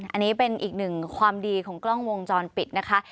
อันนี้เป็นอีกหนึ่งความดีของกล้องวงจรปิดนะคะ